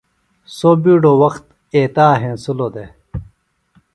سوۡ بِیڈوۡ وخت ایتا ہینسِلوۡ دےۡ